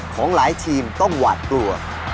ของหลายทีมต้องหวาดกลัว